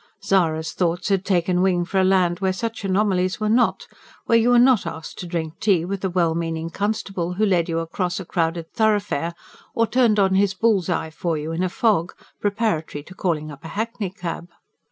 Zara's thoughts had taken wing for a land where such anomalies were not; where you were not asked to drink tea with the well meaning constable who led you across a crowded thoroughfare or turned on his bull's eye for you in a fog, preparatory to calling up a hackney cab.